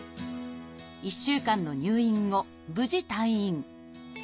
１週間の入院後無事退院。